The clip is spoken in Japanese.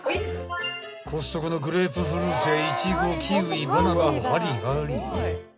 ［コストコのグレープフルーツやいちごキウイバナナをはりはり］